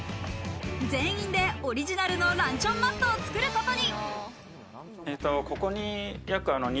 全員でオリジナルのランチョンマットを作ることに。